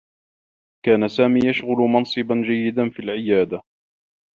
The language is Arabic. كان سامي يشغل منصبا جيّدا في العيادة.